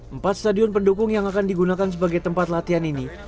empat stadion pendukung yang akan digunakan sebagai tempat latihan ini